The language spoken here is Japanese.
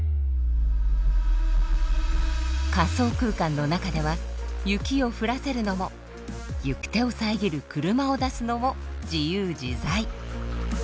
仮想空間の中では雪を降らせるのも行く手を遮る車を出すのも自由自在。